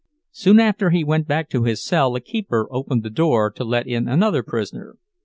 Soon after he went back to his cell, a keeper opened the door to let in another prisoner.